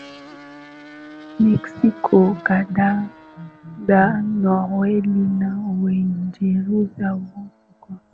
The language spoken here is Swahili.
Mexiko Kanada Norwei na UingerezaUrusi kwa